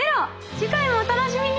次回もお楽しみに！